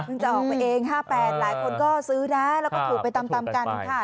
จะออกไปเอง๕๘หลายคนก็ซื้อนะแล้วก็ถูกไปตามกันค่ะ